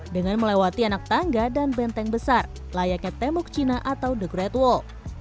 dengan melewati anak tangga dan benteng besar layaknya tembok cina atau the great wall